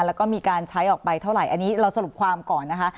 แล้วก็มีการใช้ออกไปเท่าไหร่อันนี้เราสรุปความก่อนนะคะ